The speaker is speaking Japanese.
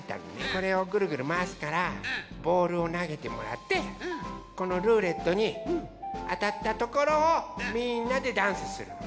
これをぐるぐるまわすからボールをなげてもらってこのルーレットにあたったところをみんなでダンスするの。